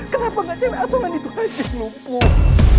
kenapa gak cewek asungan itu aja yang lumpuh